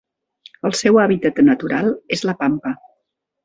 El seu hàbitat natural és la pampa.